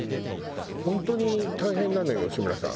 本当に大変なのよ吉村さん。